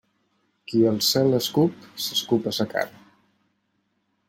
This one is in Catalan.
Qui al cel escup s'escup a sa cara.